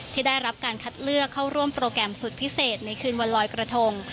ที่ได้รับการคัดเลือกเข้าร่วมโปรแกรมสุดพิเศษในคืนวันลอยกระทง